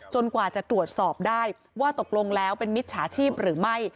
กว่าจะตรวจสอบได้ว่าตกลงแล้วเป็นมิจฉาชีพหรือไม่